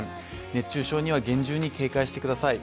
熱中症には厳重に警戒してください。